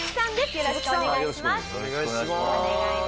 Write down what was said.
よろしくお願いします。